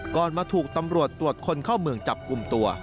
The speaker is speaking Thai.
มาถูกตำรวจตรวจคนเข้าเมืองจับกลุ่มตัว